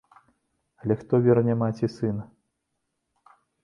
Але хто верне маці сына?